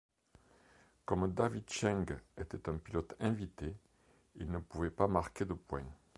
Comme David Cheng était un pilote invité, il ne pouvait pas marquer de points.